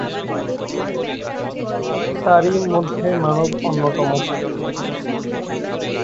তারই মধ্যে মানব অন্যতম।